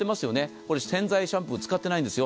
これ、シャンプー使っていないんですよ。